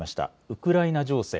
ウクライナ情勢。